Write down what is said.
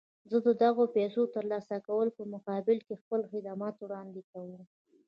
زه د دغو پيسو د ترلاسه کولو په مقابل کې خپل خدمات وړاندې کوم.